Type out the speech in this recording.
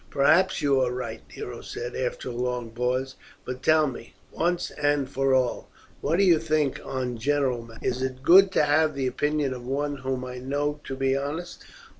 "Perhaps you are right," Nero said, after a long pause. "But tell me, once and for all, what you do think on general matters. It is good to have the opinion of one whom I know to be honest."